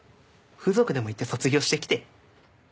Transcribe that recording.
風俗でも行って卒業してきて。